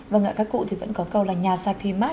vâng ạ các cụ thì vẫn có câu là nhà sạch thì mát